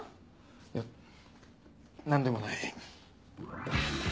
いや何でもない。